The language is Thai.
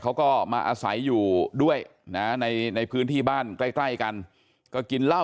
เขาก็มาอาศัยอยู่ด้วยนะในพื้นที่บ้านใกล้ใกล้กันก็กินเหล้า